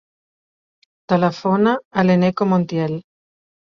Telefona a l'Eneko Montiel.